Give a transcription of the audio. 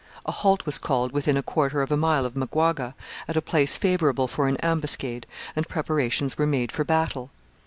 A halt was called within a quarter of a mile of Maguaga, at a place favourable for an ambuscade, and preparations were made for battle.